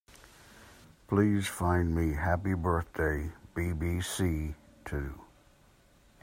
Please find me Happy Birthday BBC Two.